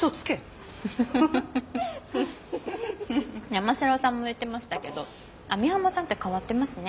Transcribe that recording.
山城さんも言ってましたけど網浜さんって変わってますね。